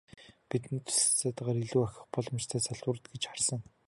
Бидний туслалцаатайгаар илүү ахих боломжтой салбарууд гэж харсан.